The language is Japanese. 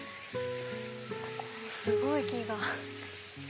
すごい木が。